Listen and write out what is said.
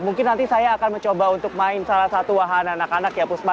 mungkin nanti saya akan mencoba untuk main salah satu wahana anak anak ya puspa